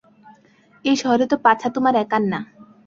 এই শহরে তো পাছা তোমার একার না।